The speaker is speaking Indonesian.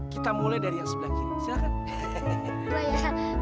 kita mulai dari yang sebelah kiri